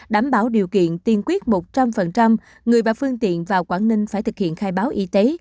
đảm bảo điều kiện tiên quyết một trăm linh người và phương tiện vào quảng ninh phải thực hiện khai báo y tế